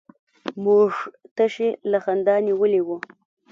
موږ تشي له خندا نيولي وو.